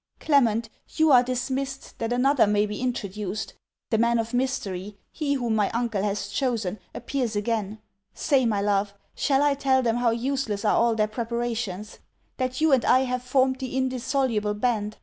Clement, you are dismissed that another may be introduced. The man of mystery, he whom my uncle has chosen, appears again. Say, my love! shall I tell them how useless are all their preparations? that you and I have formed the indissoluble band?